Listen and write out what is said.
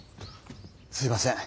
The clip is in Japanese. すいません。